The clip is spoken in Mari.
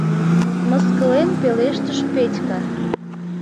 — мыскылен пелештыш Петька.